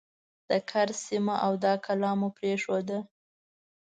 د کرز سیمه او دا کلا مو پرېښوده.